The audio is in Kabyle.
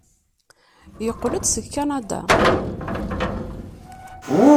Yeqqel-d seg Kanada.